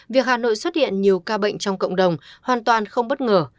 việc hà nội xuất hiện nhiều ca bệnh trong cộng đồng hoàn toàn không bất ngờ